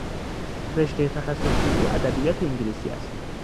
رشتهی تخصصی او ادبیات انگلیسی است.